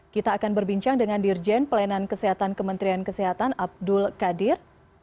kita akan berbincang dengan dirjen pelayanan kesehatan kementerian kesehatan abdul qadir